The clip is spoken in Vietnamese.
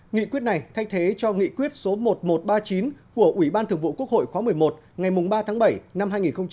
nghị quyết này thay thế cho nghị quyết số một nghìn một trăm ba mươi chín của ủy ban thượng vụ quốc hội khóa một mươi một ngày ba tháng bảy năm hai nghìn bảy